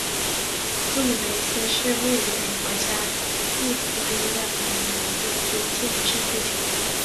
杜恩斯是位于美国加利福尼亚州因皮里尔县的一个非建制地区。